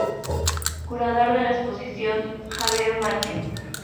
Curador de la exposición: Xavier Mathieu.